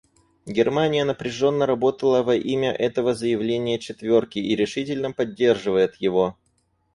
Германия напряженно работала во имя этого заявления «четверки», и решительно поддерживает его.